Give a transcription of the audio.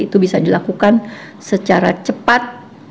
itu bisa dilakukan secara cepat